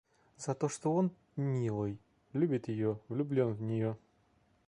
За то, что он, милый, любит ее, влюблен в нее.